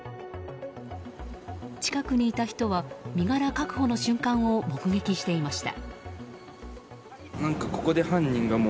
近くにいた人は身柄確保の瞬間を目撃していました。